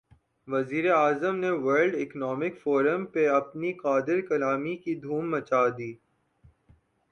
وزیر اعظم نے ورلڈ اکنامک فورم پہ اپنی قادرالکلامی کی دھوم مچا دی۔